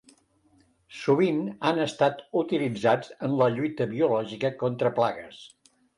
Sovint han estat utilitzats en la lluita biològica contra plagues.